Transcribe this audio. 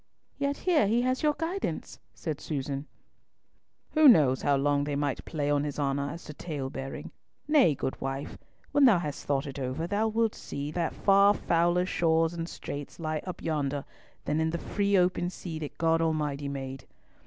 "Yet here he has your guidance," said Susan. "Who knows how they might play on his honour as to talebearing? Nay, good wife, when thou hast thought it over, thou wilt see that far fouler shoals and straits lie up yonder, than in the free open sea that God Almighty made.